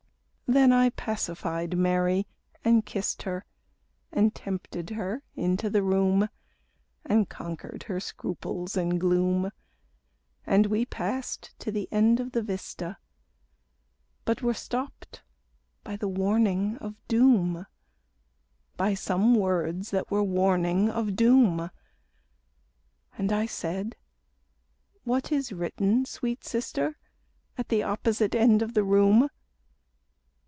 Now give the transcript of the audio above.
Then I pacified Mary and kissed her, And tempted her into the room, And conquered her scruples and gloom; And we passed to the end of the vista, But were stopped by the warning of doom, By some words that were warning of doom. And I said, "What is written, sweet sister, At the opposite end of the room?"